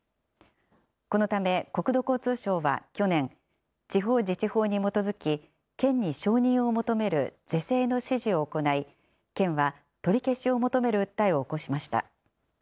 このため国土交通省は去年、地方自治法に基づき、県に承認を求める是正の指示を行い、県は取り消しを求める訴えを起こしました。